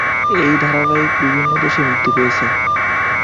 এই ধারাবাহিক বিভিন্ন দেশে মুক্তি পেয়েছে।